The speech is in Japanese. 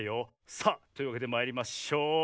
さあというわけでまいりましょう！